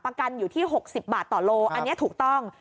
กันอยู่ที่๖๐บาทต่อโลอันนี้ถูกต้อง